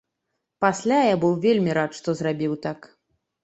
Пасля я быў вельмі рад, што зрабіў так.